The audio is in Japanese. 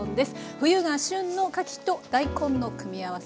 冬が旬のかきと大根の組み合わせ。